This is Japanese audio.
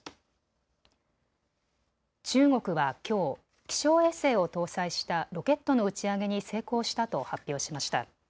中国はきょう気象衛星を搭載したロケットの打ち上げに成功したと発表しました。